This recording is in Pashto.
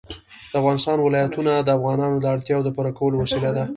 د افغانستان ولايتونه د افغانانو د اړتیاوو د پوره کولو وسیله ده.